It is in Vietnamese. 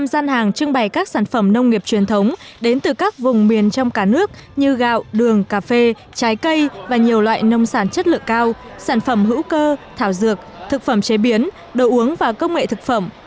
một trăm linh gian hàng trưng bày các sản phẩm nông nghiệp truyền thống đến từ các vùng miền trong cả nước như gạo đường cà phê trái cây và nhiều loại nông sản chất lượng cao sản phẩm hữu cơ thảo dược thực phẩm chế biến đồ uống và công nghệ thực phẩm